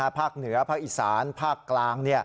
ภาคเหนือภาคอีสานภาคกลาง